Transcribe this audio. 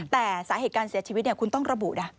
แต่สาเหตุการเสียชีวิตคุณต้องระบุนะ